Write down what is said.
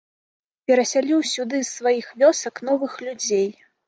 Перасяліў сюды з сваіх вёсак новых людзей.